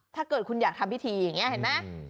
ถ้าเกิดคุณอยากทำพิธีอย่างนี้เห็นไหม